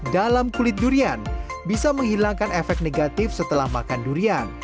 dalam kulit durian bisa menghilangkan efek negatif setelah makan durian